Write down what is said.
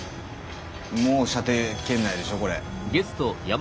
もう射程圏内でしょこれ。